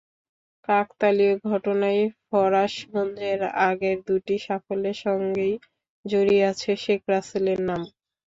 কাকতালীয় ঘটনাই, ফরাশগঞ্জের আগের দুটি সাফল্যের সঙ্গেই জড়িয়ে আছে শেখ রাসেলের নাম।